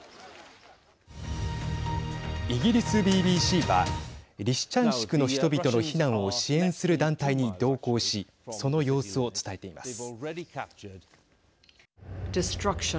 イギリスＢＢＣはリシチャンシクの人々の避難を支援する団体に同行しその様子を伝えています。